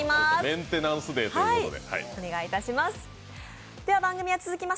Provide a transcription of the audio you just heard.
メンテナンスデーということで。